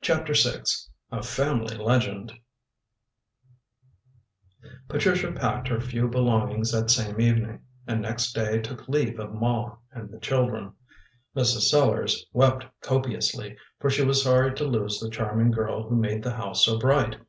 CHAPTER VI A FAMILY LEGEND Patricia packed her few belongings that same evening, and next day took leave of Ma and the children. Mrs. Sellars wept copiously, for she was sorry to lose the charming girl who made the house so bright.